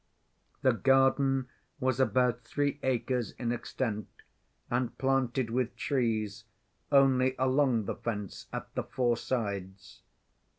The garden was about three acres in extent, and planted with trees only along the fence at the four sides.